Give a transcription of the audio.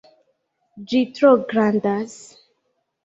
Ĝi tro grandas.